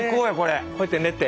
こうやって寝て？